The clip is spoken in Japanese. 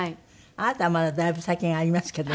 あなたはまだだいぶ先がありますけどね。